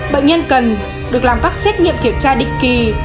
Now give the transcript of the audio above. bệnh nhân cần được làm các xét nghiệm kiểm tra định kỳ